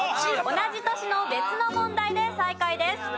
同じ年の別の問題で再開です。